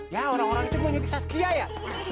ya orang orang itu menyuntik saskia ya